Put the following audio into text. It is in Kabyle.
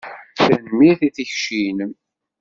Tanemmirt i tikci-inem.